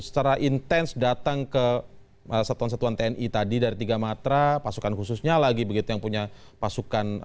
secara intens datang ke satuan satuan tni tadi dari tiga matra pasukan khususnya lagi begitu yang punya pasukan